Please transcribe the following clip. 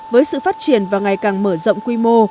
với sự phát triển và ngày càng mở rộng quy mô